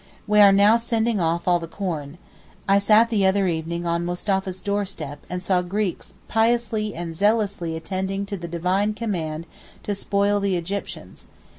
We are now sending off all the corn. I sat the other evening on Mustapha's doorstep and saw the Greeks piously and zealously attending to the divine command to spoil the Egyptians.